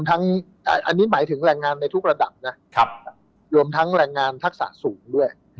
อันนี้หมายถึงแรงงานในทุกระดับนะรวมทั้งแรงงานทักษะสูงด้วย